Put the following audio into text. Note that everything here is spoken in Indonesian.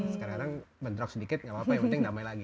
sekarang bentrok sedikit gak apa apa yang penting damai lagi